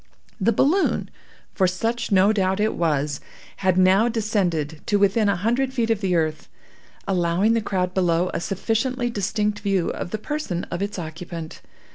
The balloon (for such no doubt it was) had now descended to within a hundred feet of the earth, allowing the crowd below a sufficiently distinct view of the person of its occupant.